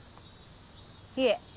いえ。